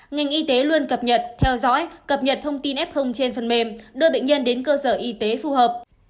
ngành y tế luôn cập nhật theo dõi cập nhật thông tin f trên phần mềm đưa bệnh nhân đến cơ sở y tế phù hợp